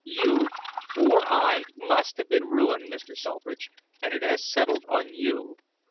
You or I must have been ruined, Mr. Selfridge, and it has settled on you.